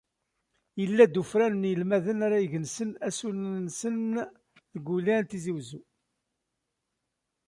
Yella-d ufran n yinelmaden ara igensen asunen-nsen deg lwilaya n Tizi Uzzu.